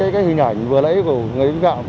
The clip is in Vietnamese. cái hình ảnh vừa lấy của người vi phạm